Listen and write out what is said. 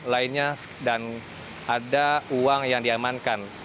lainnya dan ada uang yang diamankan